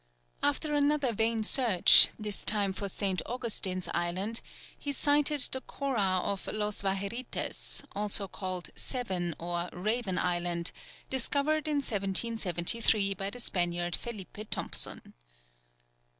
After another vain search, this time for Saint Augustine's Island, he sighted the Cora of Los Vaherites, also called Seven, or Raven Island, discovered in 1773 by the Spaniard Felipe Tompson.